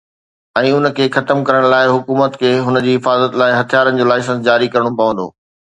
۽ ان کي ختم ڪرڻ لاءِ ، حڪومت کي هن جي حفاظت لاءِ هٿيارن جو لائسنس جاري ڪرڻو پوندو.